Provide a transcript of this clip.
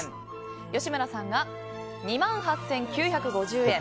吉村さんが２万８９５０円。